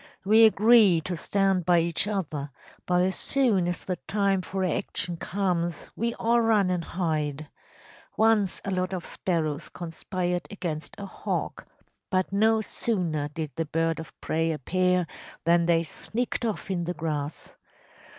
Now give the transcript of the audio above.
We agree to stand by each other, but as soon as the time for action comes we all run and hide. Once a lot of sparrows conspired against a hawk, but no sooner did the bird of prey appear than they sneaked off in the grass.